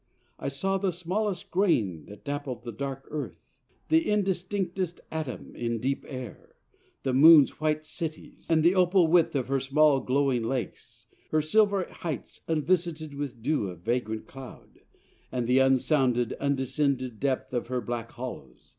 I saw The smallest grain that dappled the dark Earth, The indistinctest atom in deep air, The Moon's white cities, and the opal width Of her small glowing lakes, her silver heights Unvisited with dew of vagrant cloud, And the unsounded, undescended depth Of her black hollows.